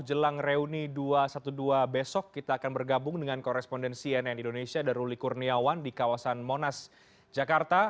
jelang reuni dua ratus dua belas besok kita akan bergabung dengan korespondensi nn indonesia dan ruli kurniawan di kawasan monas jakarta